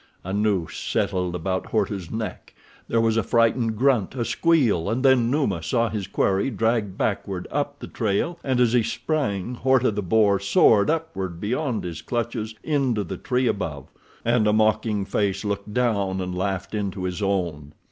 A noose settled about Horta's neck. There was a frightened grunt, a squeal, and then Numa saw his quarry dragged backward up the trail, and, as he sprang, Horta, the boar, soared upward beyond his clutches into the tree above, and a mocking face looked down and laughed into his own.